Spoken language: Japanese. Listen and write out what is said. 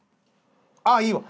ああいいわ！